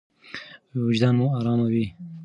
وجدان مو ارام وي.